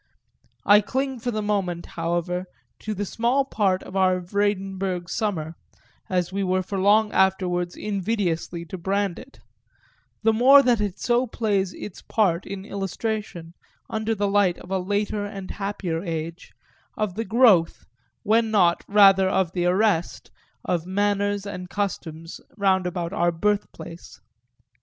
I cling for the moment, however, to the small story of our Vredenburg summer, as we were for long afterwards invidiously to brand it; the more that it so plays its part in illustration, under the light of a later and happier age, of the growth, when not rather of the arrest, of manners and customs roundabout our birthplace.